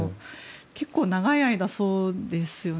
結構、長い間そうですよね。